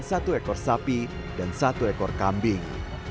satu ekor sapi dan satu ekor kambing